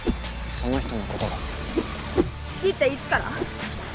その人のことが好きっていつから？